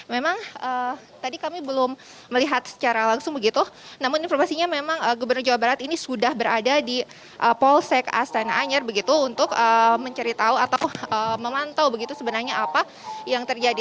memang tadi kami belum melihat secara langsung begitu namun informasinya memang gubernur jawa barat ini sudah berada di polsek astana anyar begitu untuk mencari tahu atau memantau begitu sebenarnya apa yang terjadi